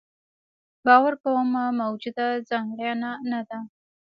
باور کومه موجوده ځانګړنه نه ده.